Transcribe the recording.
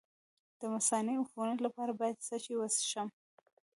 د مثانې د عفونت لپاره باید څه شی وڅښم؟